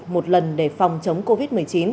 một lần để phòng chống covid một mươi chín